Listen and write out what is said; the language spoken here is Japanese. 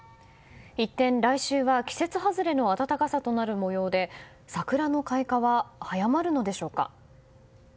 一転、来週は季節外れの暖かさとなる模様で桜の開花は早まるのでしょうか。